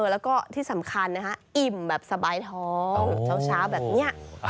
แล้วก็ที่สำคัญนะฮะอิ่มแบบสบายท้องเช้าแบบนี้